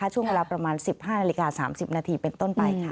ช่วงเวลาประมาณ๑๕นาฬิกา๓๐นาทีเป็นต้นไปค่ะ